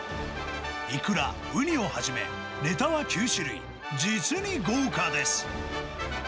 イクラ、ウニをはじめ、ネタは９種類、実に豪華です。